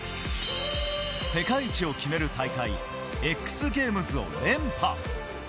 世界一を決める大会、ＸＧＡＭＥＳを連覇。